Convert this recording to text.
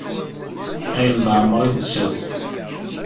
Ayen d-ɛemmer i nettat.